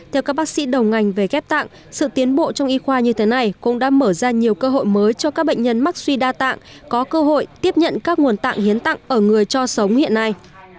theo các bác sĩ đầu ngành về ghép tạng sự tiến bộ trong y khoa như thế này cũng đã mở ra nhiều cơ hội mới cho các bệnh nhân mắc suy đa tạng có cơ hội tiếp nhận các nguồn tạng hiến tặng ở người cho sống hiện nay